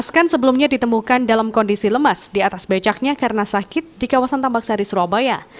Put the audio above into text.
askan sebelumnya ditemukan dalam kondisi lemas di atas becaknya karena sakit di kawasan tambak sari surabaya